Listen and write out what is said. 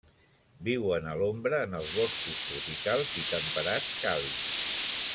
Vien a l'ombra en els boscos tropicals i temperats càlids.